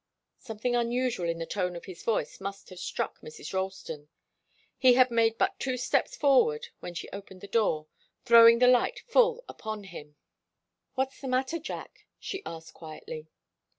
Something unusual in the tone of his voice must have struck Mrs. Ralston. He had made but two steps forward when she opened the door, throwing the light full upon him. "What's the matter, Jack?" she asked, quietly.